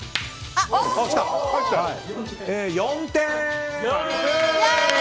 ４点。